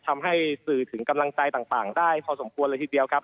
ทำให้สื่อถึงกำลังใจต่างได้พอสมควรเลยทีเดียวครับ